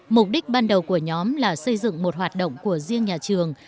mục đích ban đầu của nhóm là xây dựng một hoạt động của riêng nhà trường